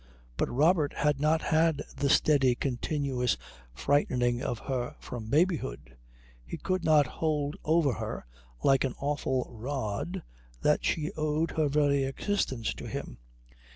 But Robert had not had the steady continuous frightening of her from babyhood. He could not hold over her, like an awful rod, that she owed her very existence to him.